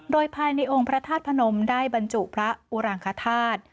โดยภายในองค์พระธาตุพนมได้บรรจุพระอุรังคธาตุ